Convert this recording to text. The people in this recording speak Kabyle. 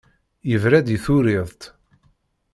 Yebra-d i turiḍt.